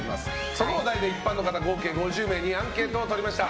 そのお題で一般の方、５０名にアンケートを取りました。